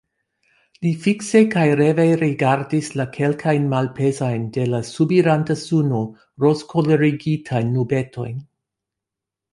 Li fikse kaj reve rigardis la kelkajn malpezajn de la subiranta suno rozkolorigitajn nubetojn.